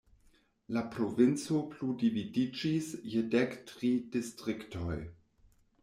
La provinco plu dividiĝis je dek tri distriktoj.